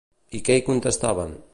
I què hi contestaven?